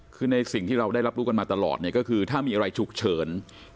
คือในสิ่งที่เราได้รับรู้กันมาตลอดเนี่ยก็คือถ้ามีอะไรฉุกเฉิน